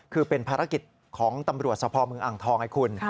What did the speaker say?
คือเป็นภารกิจของตำรวจสพวิเศษชาญอ่างทองไงคุณ